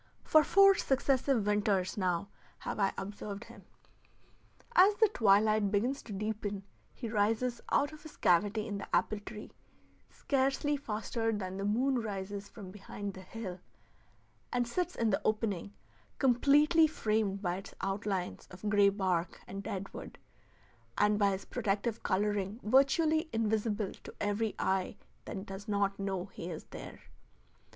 For four successive winters now have I observed him. As the twilight begins to deepen he rises out of his cavity in the apple tree, scarcely faster than the moon rises from behind the hill, and sits in the opening, completely framed by its outlines of gray bark and dead wood, and by his protective coloring virtually invisible to every eye that does not know he is there.